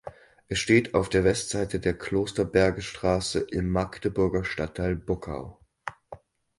Es steht auf der Westseite der Klosterbergestraße im Magdeburger Stadtteil Buckau.